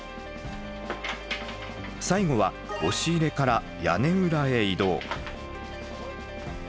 最後は押し入れから屋根裏へ移動。